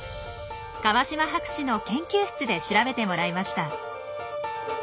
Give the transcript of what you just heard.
川島博士の研究室で調べてもらいました。